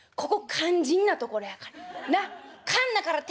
肝心なところやからええか？